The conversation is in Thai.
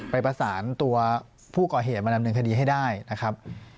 ไปประสานตัวผู้ก่อเหตุมาดำเนินคดีให้ได้นะครับ